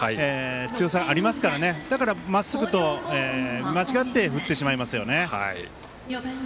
強さありますからねまっすぐと間違って振ってしまいますよね。